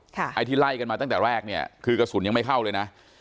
ไอ้ที่ไล่กันมาตั้งแต่แรกเนี่ยคือกระสุนยังไม่เข้าเลยนะ